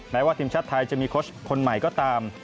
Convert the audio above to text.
ว่าทีมชาติไทยจะมีโค้ชคนใหม่ก็ตาม